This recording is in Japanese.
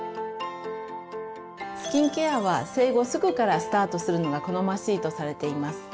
スキンケアは生後すぐからスタートするのが好ましいとされています。